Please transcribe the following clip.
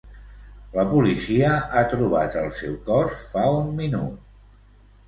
La policia ha trobat el seu cos fa un minut.